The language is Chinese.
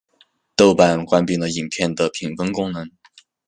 豆瓣关闭了影片的评分功能。